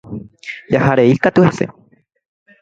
Jaharei katu hese